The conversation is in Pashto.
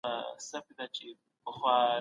ورور مي وویل چي زه به درس ووایم.